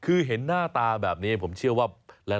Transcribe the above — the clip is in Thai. คือเห็นหน้าตาแบบนี้ผมเชื่อว่า